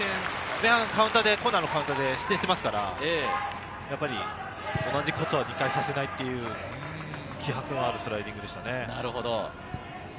前半、コーナーのカウンターで失点してますから、同じことは２回させないっていう、気迫のあるスライディングでしたね。